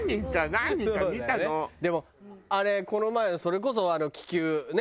でもあれこの前それこそ気球ねえ？